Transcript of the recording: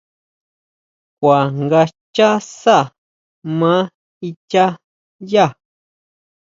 Kuá nga xchá sá maa ichá yá.